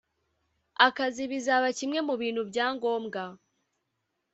akazi bizaba kimwe mu bintu bya ngombwa